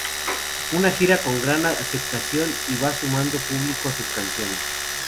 Una gira con gran aceptación y va sumando público a sus canciones.